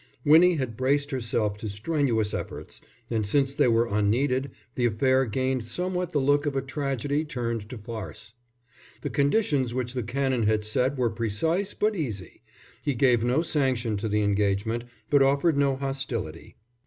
Winnie had braced herself to strenuous efforts, and since they were unneeded, the affair gained somewhat the look of a tragedy turned to farce. The conditions which the Canon had set were precise, but easy; he gave no sanction to the engagement but offered no hostility.